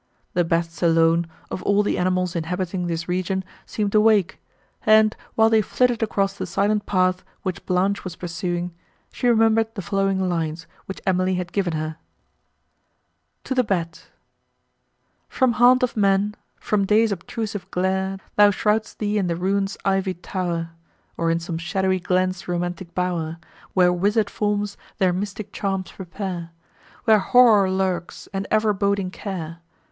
—The bats alone, of all the animals inhabiting this region, seemed awake; and, while they flitted across the silent path, which Blanche was pursuing, she remembered the following lines, which Emily had given her: TO THE BAT From haunt of man, from day's obtrusive glare, Thou shroud'st thee in the ruin's ivy'd tow'r. Or in some shadowy glen's romantic bow'r, Where wizard forms their mystic charms prepare, Where Horror lurks, and ever boding Care!